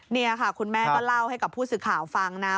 นี่ค่ะคุณแม่ก็เล่าให้กับผู้สื่อข่าวฟังนะ